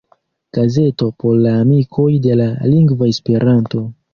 Gazeto por la amikoj de la lingvo Esperanto.